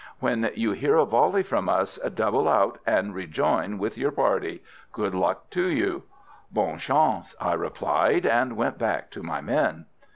When you hear a volley from us, double out and rejoin with your party. Good luck to you!" "Bonne chance!" I replied, and went back to my men.